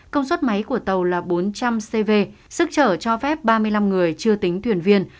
công suất máy của tàu là bốn trăm linh cv sức trở cho phép ba mươi năm người chưa tính thuyền viên